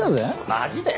マジで？